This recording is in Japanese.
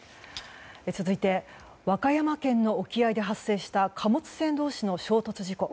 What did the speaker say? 続いて、和歌山県の沖合で発生した貨物船同士の衝突事故。